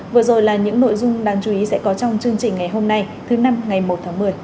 vừa rồi là những nội dung đáng chú ý sẽ có trong chương trình ngày hôm nay thứ năm ngày một tháng một mươi